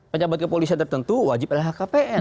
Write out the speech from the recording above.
pejabat kepolisian tertentu wajib lhkpn